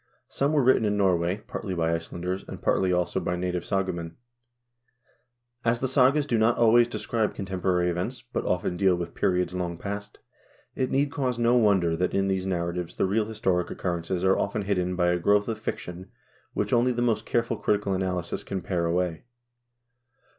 Some were written in Norway, partly by Icelanders, and partly, also, by native sagamen. As the sagas do not always describe contemporary events, but often deal with periods long past, it need cause no wonder that in these narra tives the real historic occurrences are often hidden by a growth of fiction which only the most careful critical analysis can pare away.